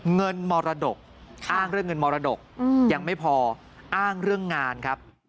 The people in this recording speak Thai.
มรดกอ้างเรื่องเงินมรดกยังไม่พออ้างเรื่องงานครับ